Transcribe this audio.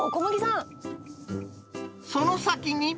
その先に。